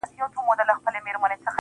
که تریخ دی زما دی.